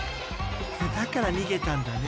［だから逃げたんだね］